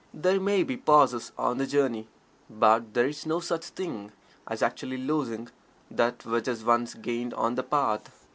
There may be pauses on the journey, but there is no such thing as actually losing that which is once gained on The Path.